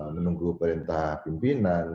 menunggu perintah pimpinan